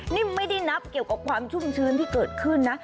นี่ไม่ได้นับเกี่ยวกับความชุ่มชื้นที่เกิดขึ้นนะ